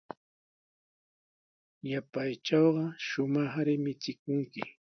Yapaytrawqa shumaqri michikunki.